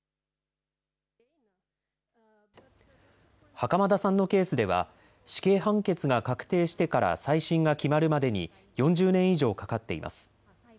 袴田さんのケースでは死刑判決が確定してから再審が決まるまでに４０年以上かかっています。